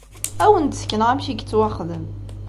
Ad wen-d-sekneɣ amek i yettwaxdem.